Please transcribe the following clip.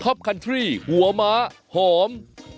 ท็อปคันตรีหัวม้าหอม